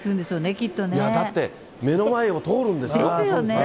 きだって、目の前を通るんですですよね。